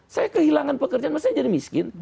saya kehilangan pekerjaan maksudnya jadi miskin